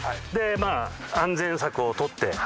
でまぁ安全策をとって。